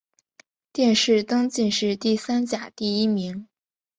殿试登进士第三甲第一名。